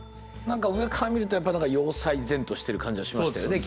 何か上から見るとやっぱり要塞然としてる感じがしましたよね。